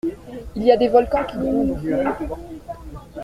Il y a des volcans qui grondent au fond…